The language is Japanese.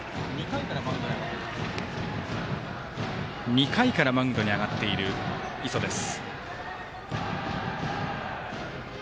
２回からマウンドに上がっている磯です。